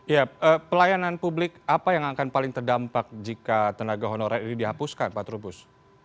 ya pelayanan publik apa yang akan paling terdampak jika tenaga honorer ini dihapuskan pak trubus